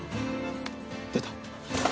出た！